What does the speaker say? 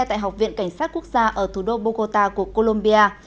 tại học viện cảnh sát quốc gia ở thủ đô bogota của colombia